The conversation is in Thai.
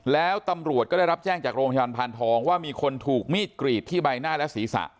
แล้วตำรวจก็ได้รับแจ้งจากโรงพยาบาลพานทองว่ามีคนถูกมีดกรีดที่ใบหน้าและศีรษะ